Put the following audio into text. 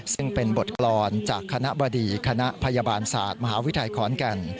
ซึ่งเป็นบทกรรมจากคณะบดีคณะพยาบาลศาสตร์มหาวิทยาลัยขอนแก่น